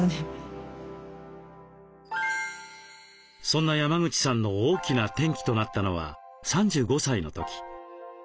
そんな山口さんの大きな転機となったのは３５歳のとき。